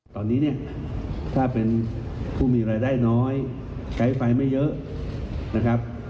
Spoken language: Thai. ตอนนี้ถ้าเป็นผู้มีรายได้น้อยใช้ไฟไม่เยอะ